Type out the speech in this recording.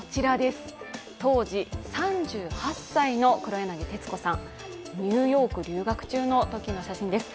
当時、３８歳の黒柳徹子さん、ニューヨーク留学中のときの写真です。